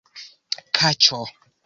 kaĉo